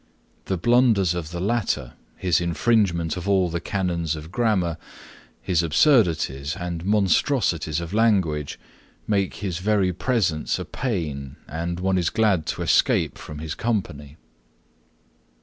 The blunders of the latter, his infringement of all the canons of grammar, his absurdities and monstrosities of language, make his very presence a pain, and one is glad to escape from his company.